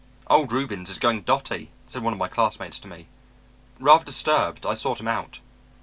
"'Old Reubens is going dotty,' said one of my classmates to me. Rather disturbed, I sought him out.